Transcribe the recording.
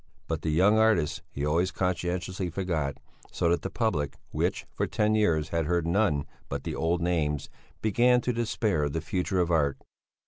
But the young artists he always conscientiously forgot, so that the public, which, for ten years had heard none but the old names, began to despair of the future of art.